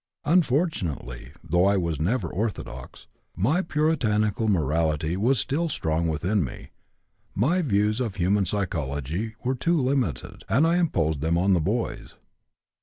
Unfortunately (though I was never 'orthodox') my Puritanical morality was still strong within me, my views of human psychology were too limited, and I imposed them on the boys.